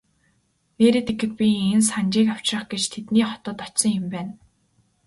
Нээрээ тэгэхэд би энэ Санжийг авчрах гэж тэдний хотод очсон юм байна.